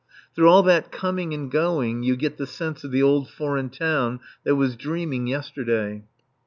Through all that coming and going you get the sense of the old foreign town that was dreaming yesterday.